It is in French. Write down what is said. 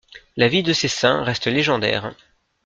La vie de ces saints reste légendaire.